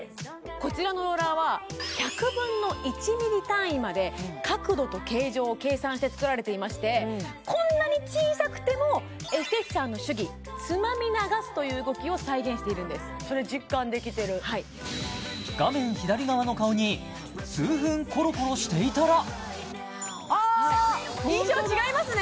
こちらのローラーは１００分の１ミリ単位まで角度と形状を計算して作られていましてこんなに小さくてもエステティシャンの手技つまみ流すという動きを再現しているんですそれ実感できてる画面左側の顔に数分コロコロしていたら印象違いますね